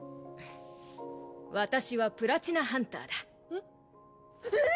私はプラチナハンターだえええっ！？